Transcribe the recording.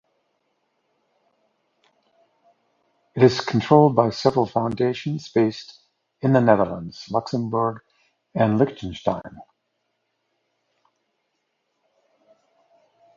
It is controlled by several foundations based in the Netherlands, Luxembourg and Liechtenstein.